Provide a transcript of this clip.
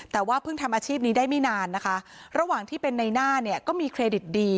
แต่ว่าเพิ่งทำอาชีพนี้ได้ไม่นานนะคะระหว่างที่เป็นในหน้าเนี่ยก็มีเครดิตดี